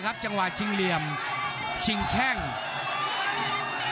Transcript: ภูตวรรณสิทธิ์บุญมีน้ำเงิน